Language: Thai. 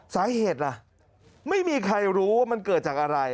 สาเหตุล่ะไม่มีใครรู้ว่ามันเกิดจากอะไร